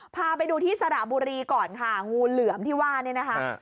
พาไปดูที่สระบุรีก่อนค่ะงูเหลือมที่ว่านี่นะคะ